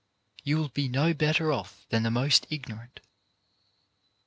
You will be no better off than the most ignorant.